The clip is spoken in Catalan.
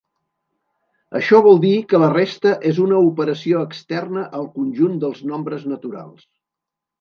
Això vol dir que la resta és una operació externa al conjunt dels nombres naturals.